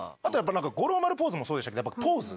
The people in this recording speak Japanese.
五郎丸ポーズもそうでしたけどポーズ。